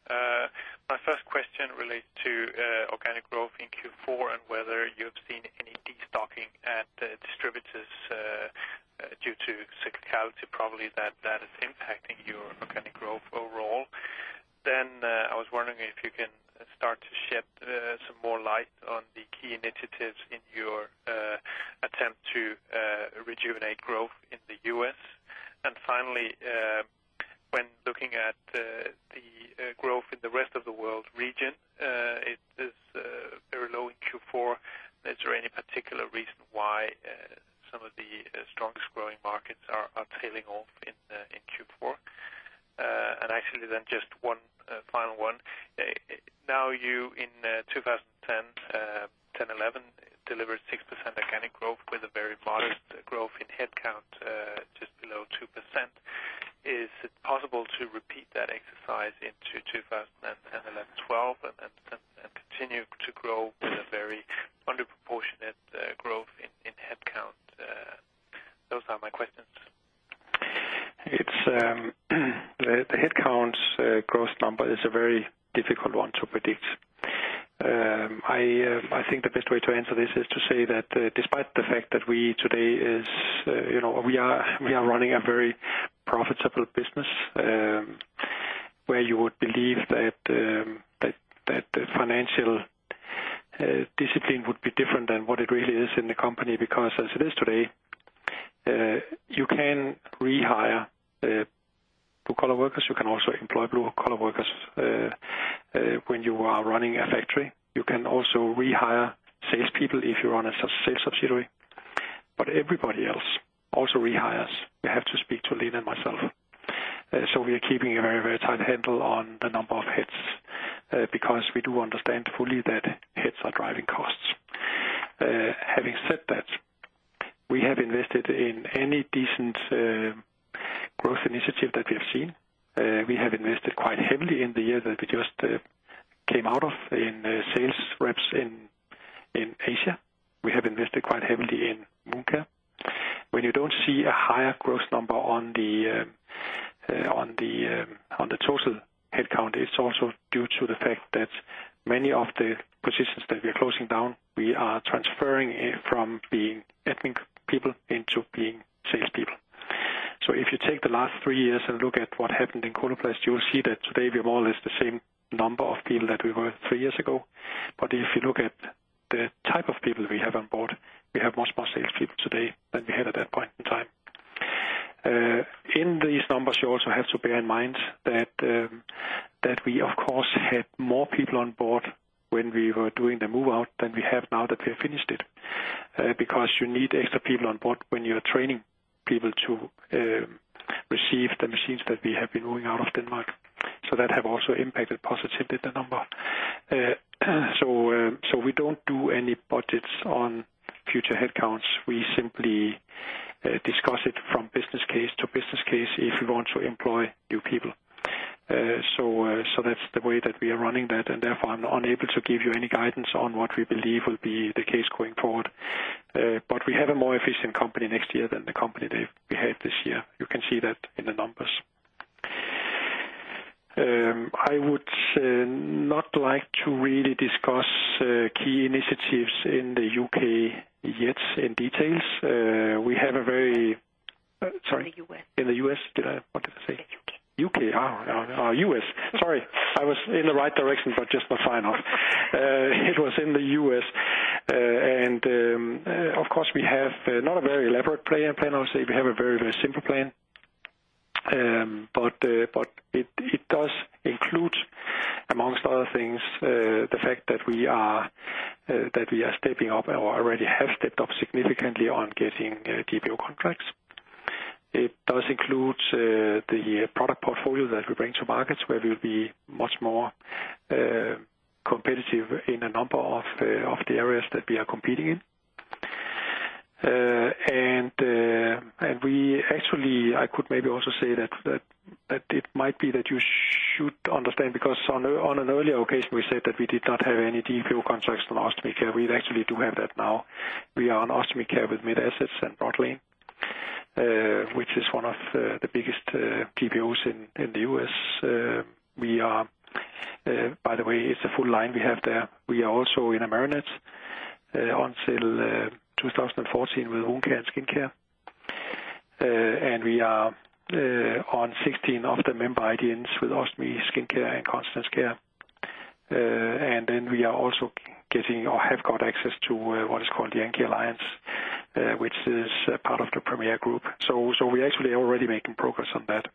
My first question relates to organic growth in Q4, and whether you've seen any destocking at the distributors, due to cyclicality, probably, that is impacting your organic growth overall. I was wondering if you can start to shed some more light on the key initiatives in your attempt to rejuvenate growth in the US? Finally, when looking at the growth in the rest of the world region, it is very low in Q4. Is there any particular reason why some of the strongest growing markets are trailing off in Q4? Just one final one. Now you in 2010-2011, delivered 6% organic growth with a very modest growth in headcount, just below 2%. Is it possible to repeat that exercise into 2011-2012 and continue to grow with a very under proportionate growth in headcount? Those are my questions. The headcount's growth number is a very difficult one to predict. I think the best way to answer this is to say that, despite the fact that we today is, we are running a very profitable business, where you would believe that, the financial discipline would be different than what it really is in the company. As it is today, you can rehire blue collar workers. You can also employ blue collar workers, when you are running a factory. You can also rehire salespeople if you run a sales subsidiary, but everybody else also rehires, they have to speak to Lene and myself. We are keeping a very tight handle on the number of heads, because we do understand fully that heads are driving costs. Having said that, we have invested in any decent growth initiative that we have seen. We have invested quite heavily in the year that we just came out of, in sales reps in Asia. We have invested quite heavily in wound care. When you don't see a higher growth number on the total headcount, it's also due to the fact that many of the positions that we are closing down, we are transferring it from being admin people into being salespeople. If you take the last three years and look at what happened in Coloplast, you will see that today we have more or less the same number of people that we were three years ago. If you look at the type of people we have on board, we have much more salespeople today than we had at that point in time. In these numbers, you also have to bear in mind that we, of course, had more people on board when we were doing the move out than we have now that we have finished it. Because you need extra people on board when you are training people to receive the machines that we have been moving out of Denmark. That have also impacted positively the number. We don't do any budgets on future headcounts. We simply discuss it from business case to business case, if we want to employ new people. That's the way that we are running that, and therefore, I'm unable to give you any guidance on what we believe will be the case going forward. We have a more efficient company next year than the company that we have this year. You can see that in the numbers. I would not like to really discuss key initiatives in the U.K. yet, in details. In the U.S. Sorry, in the U.S. What did I say? The U.K. U.K.? U.S. Sorry, I was in the right direction, but just not final. It was in the U.S., and of course, we have not a very elaborate plan, I would say. We have a very, very simple plan. It does include, amongst other things, the fact that we are stepping up or already have stepped up significantly on getting DPO contracts. It does include the product portfolio that we bring to markets, where we'll be much more competitive in a number of the areas that we are competing in. Actually, I could maybe also say that it might be that you should understand, because on an earlier occasion, we said that we did not have any DPO contracts on Ostomy Care. We actually do have that now. We are on Ostomy Care with MedAssets and Broadlane, which is one of the biggest DPOs in the U.S. By the way, it's a full line we have there. We are also in Amerinet until 2014 with Wound Care and Skincare. We are on 16 of the member IDNs with Ostomy, Skincare, and Continence Care. We are also getting or have got access to what is called the Yankee Alliance, which is a part of Premier, Inc. We're actually already making progress on that.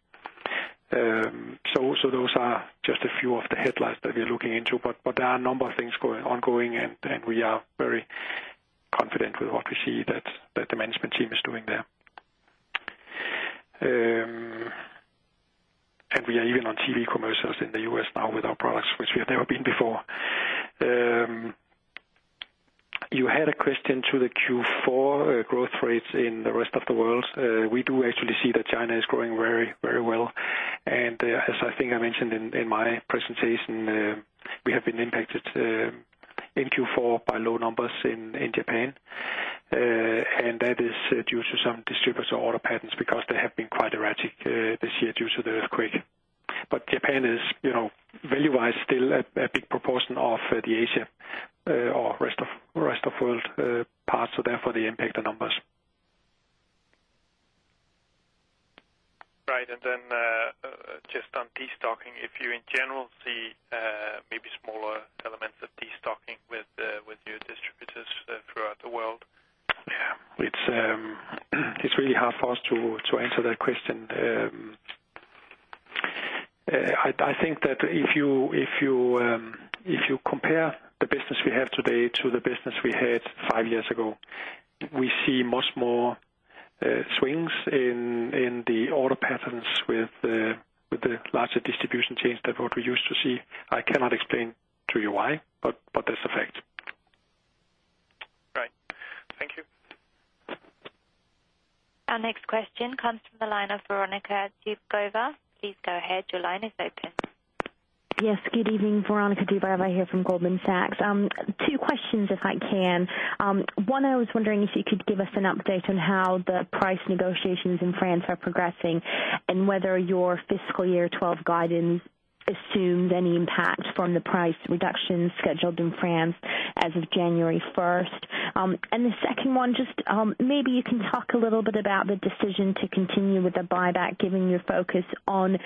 Those are just a few of the headlines that we are looking into, but there are a number of things ongoing, and we are very confident with what we see that the management team is doing there. We are even on TV commercials in the U.S. now with our products, which we have never been before. You had a question to Q4 growth rates in the rest of the world. We do actually see that China is growing very well, and as I think I mentioned in my presentation, we have been impacted in Q4 by low numbers in Japan. That is due to some distributor order patterns, because they have been quite erratic this year due to the earthquake. Japan is value-wise, still a big proportion of the Asia or rest of world parts, so therefore they impact the numbers. Right. Just on destocking, if you in general see, maybe smaller elements of destocking with your distributors throughout the world? Yes. It's really hard for us to answer that question. I think that if you compare the business we have today to the business we had 5 years ago, we see much more swings in the order patterns with the larger distribution chains than what we used to see. I cannot explain to you why, but that's a fact. Right. Thank you. Our next question comes from the line of Veronika Dubajova. Please go ahead. Your line is open. Yes, good evening, Veronika Dubajova here from Goldman Sachs. Two questions, if I can. One, I was wondering if you could give us an update on how the price negotiations in France are progressing, and whether your fiscal year 2012 guidance assumes any impact from the price reductions scheduled in France as of January 1st. The second one, just, maybe you can talk a little bit about the decision to continue with the buyback, giving your focus on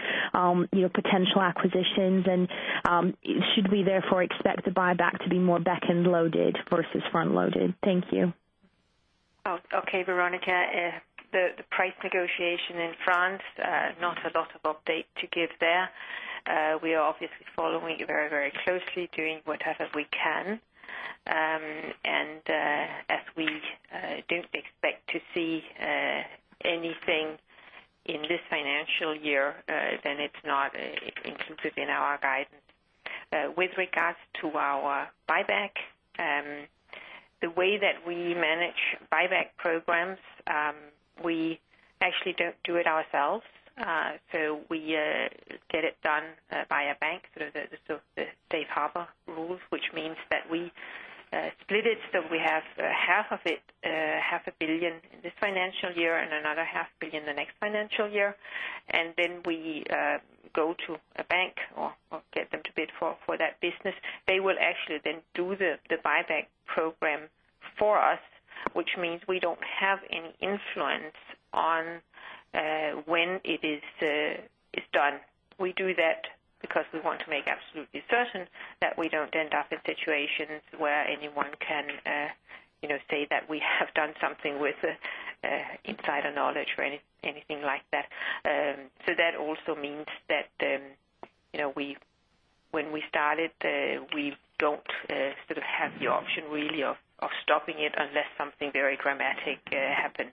your potential acquisitions. Should we therefore expect the buyback to be more back-end loaded versus front-loaded? Thank you. Okay, Veronica. The price negotiation in France, not a lot of update to give there. We are obviously following it very closely, doing whatever we can. As we don't expect to see anything in this financial year, it's not included in our guidance. With regards to our buyback, the way that we manage buyback programs, we actually don't do it ourselves. We get it done by a bank through the safe harbor rules, which means that we split it, so we have half of it, half a billion in this financial year and another half billion the next financial year. We go to a bank or get them to bid for that business. They will actually then do the buyback program for us, which means we don't have any influence on when it is done. We do that because we want to make absolutely certain that we don't end up in situations where anyone can, say that we have done something with insider knowledge or anything like that. That also means that when we started, we don't sort of have the option really of stopping it unless something very dramatic happens.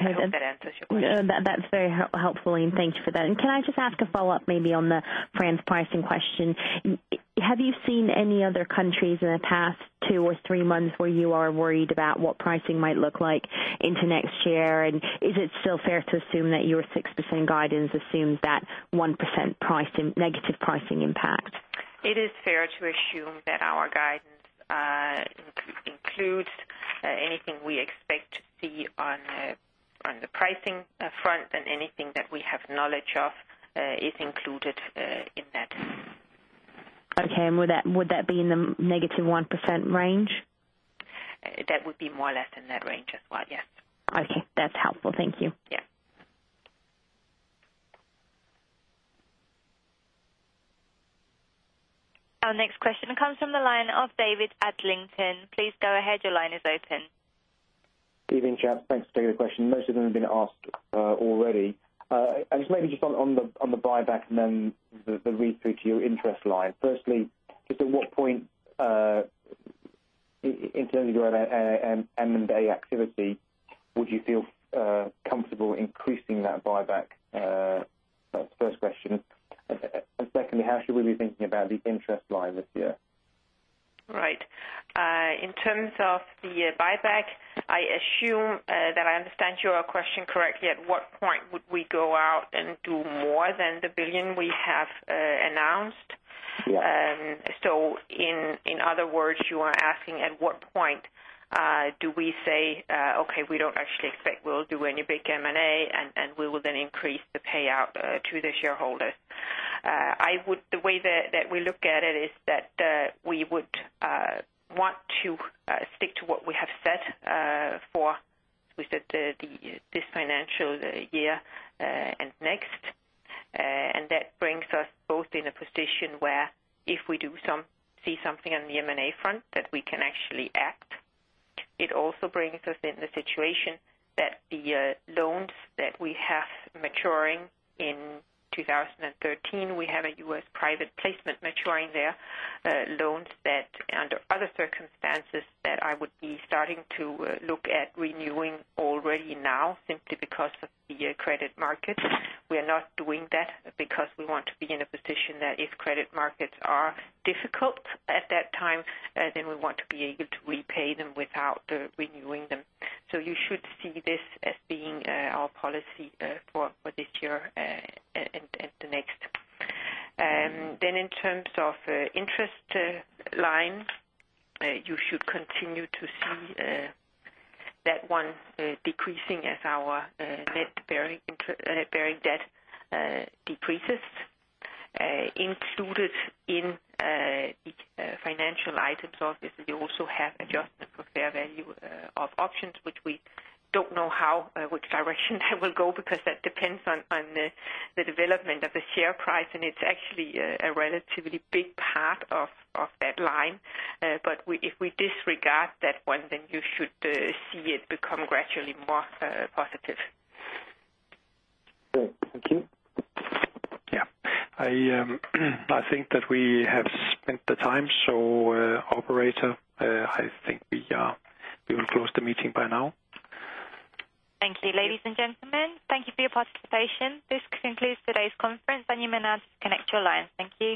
Okay. I hope that answers your question. That's very helpful, thank you for that. Can I just ask a follow-up, maybe on the France pricing question? Have you seen any other countries in the past two or three months where you are worried about what pricing might look like into next year? Is it still fair to assume that your 6% guidance assumes that 1% pricing, negative pricing impact? It is fair to assume that our guidance includes anything we expect to see on the pricing front, and anything that we have knowledge of is included in that. Okay. Would that be in the -1% range? That would be more or less in that range as well, yes. Okay. That's helpful. Thank you. Yes. Our next question comes from the line of David Adlington. Please go ahead. Your line is open. Evening, chaps. Thanks. Take a question. Most of them have been asked already. just maybe just on the buyback and then the read-through to your interest line. Firstly, just at what point in terms of your M&A activity, would you feel comfortable increasing that buyback? That's the first question. Secondly, how should we be thinking about the interest line this year? Right. In terms of the buyback, I assume that I understand your question correctly, at what point would we go out and do more than 1 billion we have announced? Yes. In other words, you are asking, at what point, do we say, "Okay, we don't actually expect we'll do any big M&A, and we will then increase the payout, to the shareholders?" The way that we look at it is that, we would, want to, stick to what we have said, for, we said, this financial year, and next. That brings us both in a position where if we see something on the M&A front, that we can actually act. It also brings us in the situation that the loans that we have maturing in 2013, we have a US private placement maturing there, loans that under other circumstances, that I would be starting to look at renewing already now simply because of the credit market. We are not doing that because we want to be in a position that if credit markets are difficult at that time, then we want to be able to repay them without renewing them. You should see this as being our policy for this year and the next. In terms of interest line, you should continue to see that one decreasing as our net bearing debt decreases. Included in financial items, obviously, you also have adjustment for fair value of options, which we don't know how which direction that will go, because that depends on the development of the share price, and it's actually a relatively big part of that line. If we disregard that one, then you should see it become gradually more positive. Cool. Thank you. Yes. I think that we have spent the time. Operator, I think we will close the meeting by now. Thank you, ladies and gentlemen. Thank you for your participation. This concludes today's conference, and you may now disconnect your lines. Thank you.